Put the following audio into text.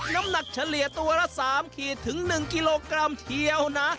น้ำหนักเฉลี่ยตัวละ๓ขีดถึง๑กิโลกรัมเชียวนะ